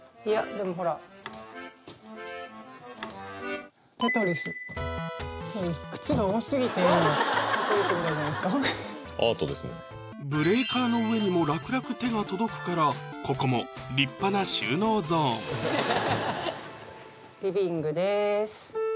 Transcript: いやでもほらブレーカーの上にも楽々手が届くからここも立派な収納ゾーン